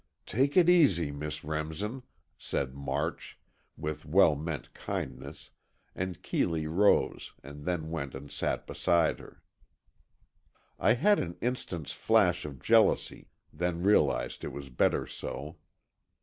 "Take it easy, Miss Remsen," said March, with well meant kindness, and Keeley rose, and then went and sat beside her. I had an instant's flash of jealousy, then realized it was better so.